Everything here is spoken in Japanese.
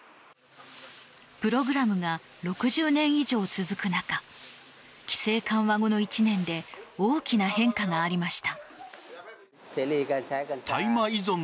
プログラムが６０年以上続く中規制緩和後の１年で大きな変化がありました。